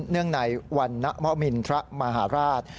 เนื่องในวันนมินทรมหาราช